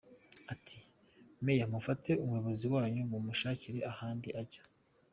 Ati “Meya mufate umuyobozi wanyu mumushakire ahandi ajya.